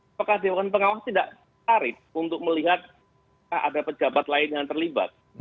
apakah dewan pengawas tidak tarik untuk melihat ada pejabat lain yang terlibat